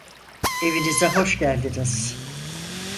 Evinize hoş geldiniz.